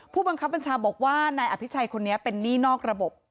ผู้บังคับบัญชาบอกว่านายอภิชัยคนนี้เป็นหนี้นอกระบบ